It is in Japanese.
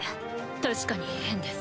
確かに変です。